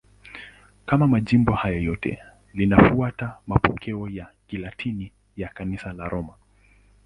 Kama majimbo hayo yote, linafuata mapokeo ya Kilatini ya Kanisa la Roma.